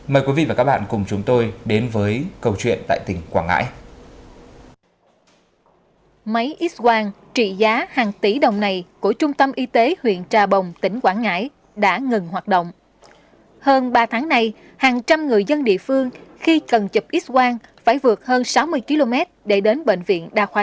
mời quý vị và các bạn cùng chúng tôi đến với câu chuyện tại tỉnh quảng ngãi